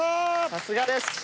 さすがです。